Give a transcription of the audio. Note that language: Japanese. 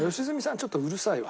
ちょっとうるさいわ。